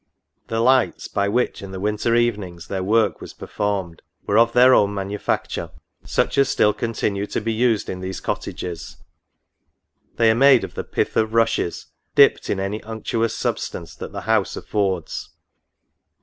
The lights by which in the winter evenings their work was performed, were of their own manufacture, such as still continue to be used in these cottages ; they are made of the pith of rushes dipped in any unctuous substance that the house affords.